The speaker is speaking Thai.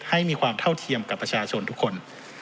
ให้มีความเท่าเทียมกับประชาชนทุกคน